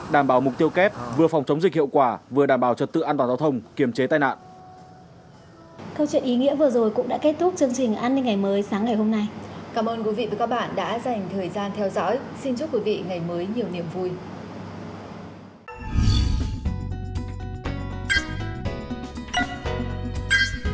đảm bảo mục tiêu kép vừa phòng chống dịch hiệu quả vừa đảm bảo trật tự an toàn giao thông kiềm chế tai nạn